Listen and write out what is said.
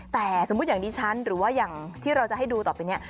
แต่สมมุติอย่างดิฉันหรือว่าอย่างที่เราจะให้ดูต่อไปเนี่ย